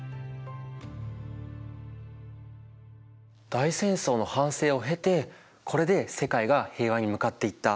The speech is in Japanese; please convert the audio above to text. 大戦争の反省を経てこれで世界が平和に向かっていった。